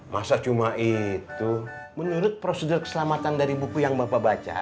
masa cuma itu menurut prosedur keselamatan dari buku yang bapak baca